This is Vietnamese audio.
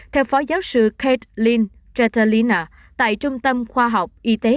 theo phó giáo sư kate lynn tretelina tại trung tâm khoa học y tế